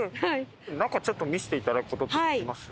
中見せていただくことできます？